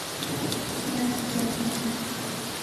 باسی جەنگ مەکە!